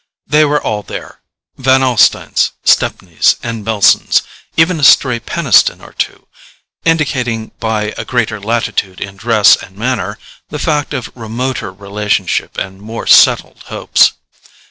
They were all there: Van Alstynes, Stepneys and Melsons—even a stray Peniston or two, indicating, by a greater latitude in dress and manner, the fact of remoter relationship and more settled hopes.